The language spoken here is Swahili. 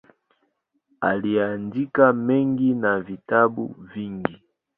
Aliandika mengi na vitabu vingi.